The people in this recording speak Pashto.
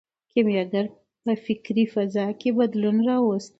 کیمیاګر په فکري فضا کې بدلون راوست.